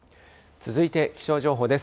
続いて気象情報です。